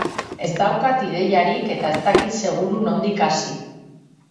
Ez daukat ideiarik eta ez dakit seguru nondik hasi.